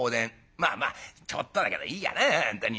まあまあちょっとだけどいいやな本当に。